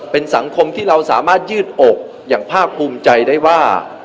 เป็นสังคมที่เราสามารถยืดอกอย่างภาคภูมิใจได้ว่า